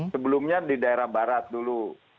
sebelumnya di daerah barat dulu